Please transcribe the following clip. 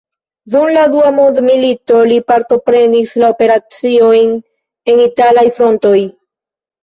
Dum la Dua mondmilito li partoprenis la operaciojn en italaj frontoj.